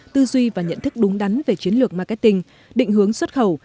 tư duy và nhận thức đúng đắn về chiến lược marketing định hướng xuất khẩu